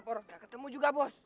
bos lapor gak ketemu juga bos